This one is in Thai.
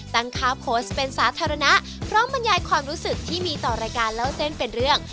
ตั้งค่าโพสต์เป็นสาธารณะพร้อมบรรยายความรู้สึกที่มีต่อรายการเล่าเส้นเป็นเรื่อง